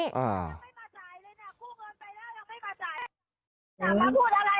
ยังไม่มาจ่ายเลยนะคู่เงินไปแล้วยังไม่มาจ่าย